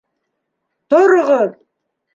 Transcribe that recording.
Тороғоҙ!